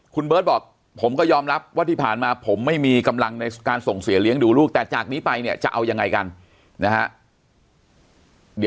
คุณเบิร์ตบอกผมก็ยอมรับว่าที่ผ่านมาผมไม่มีกำลังในการส่งเสียเลี้ยงดูลูกแต่จากนี้ไปเนี่ยจะเอายังไงกันนะฮะ